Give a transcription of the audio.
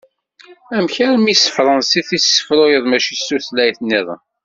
Amek armi s tefransist i tessefruyeḍ mačči s tutlayt-nniḍen?